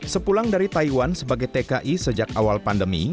sepulang dari taiwan sebagai tki sejak awal pandemi